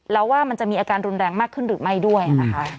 แล้วว่ามันจะมีอาการรุนแรงมากขึ้นหรือไม่ด้วยนะคะ